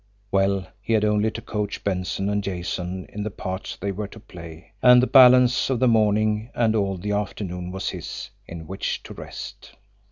Well, he had only to coach Benson and Jason in the parts they were to play, and the balance of the morning and all the afternoon was his in which to rest.